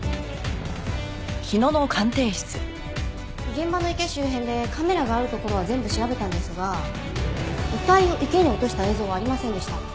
現場の池周辺でカメラがある所は全部調べたんですが遺体を池に落とした映像はありませんでした。